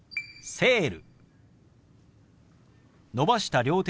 「セール」。